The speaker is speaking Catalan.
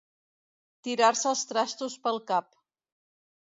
Tirar-se els trastos pel cap.